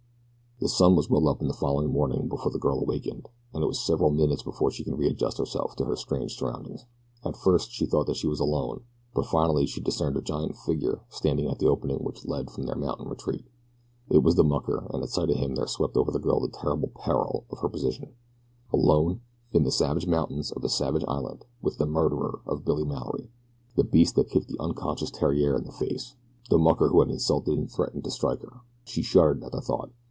The sun was well up the following morning before the girl awakened, and it was several minutes before she could readjust herself to her strange surroundings. At first she thought that she was alone, but finally she discerned a giant figure standing at the opening which led from their mountain retreat. It was the mucker, and at sight of him there swept over the girl the terrible peril of her position alone in the savage mountains of a savage island with the murderer of Billy Mallory the beast that had kicked the unconscious Theriere in the face the mucker who had insulted and threatened to strike her! She shuddered at the thought.